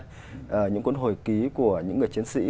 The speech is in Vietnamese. là những hồi ký của những người chiến sĩ